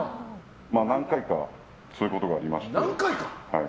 何回かそういうことがありまして。